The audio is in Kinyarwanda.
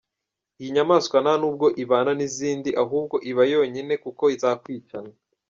Iyi nyamaswa nta nubwo ibana n’izindi, ahubwo iba yonyine kuko zakwicana.